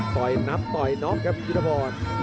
นับต่อยน็อกครับยุทธพร